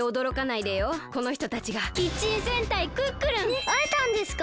えっあえたんですか！